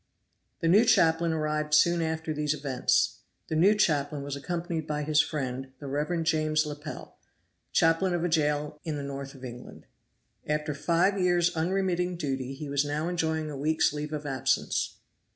The new chaplain arrived soon after these events. The new chaplain was accompanied by his friend, the Rev. James Lepel, chaplain of a jail in the north of England. After five years' unremitting duty he was now enjoying a week's leave of absence.